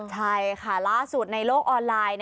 ใช่ค่ะล่าสุดในโลกออนไลน์